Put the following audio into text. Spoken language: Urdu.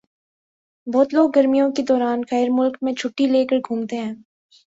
بہت لوگ گرمیوں کے دوران غیر ملک میں چھٹّی لے کر گھومتے ہیں۔